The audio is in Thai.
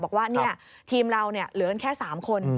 บอกว่าทีมเราเหลือกันแค่๓คน